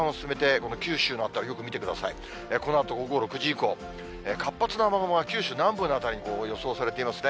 このあと午後６時以降、活発な雨雲が九州南部の辺りに予想されていますね。